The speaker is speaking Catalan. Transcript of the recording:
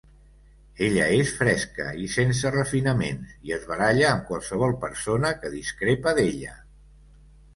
Ella és fresca i sense refinaments, i es baralla amb qualsevol persona que discrepa d'ella.